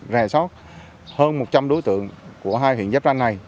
rè sót hơn một trăm linh đối tượng của hai huyện giáp ranh này